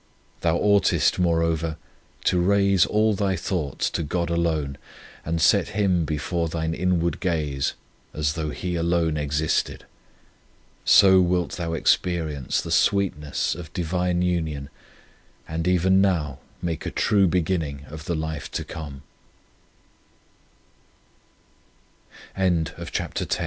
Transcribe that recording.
Thou oughtest, moreover, to raise all thy thoughts to God alone, and set Him before thine inward gaze, as though He alone existed. So wilt thou experience the sweet ness of Divine union and even now make a true beginning of